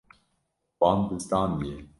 Wan bizdandiye.